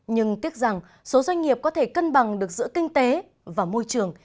nhưng tiếc rằng số doanh nghiệp có thể cân bằng được giữa kinh tế và môi trường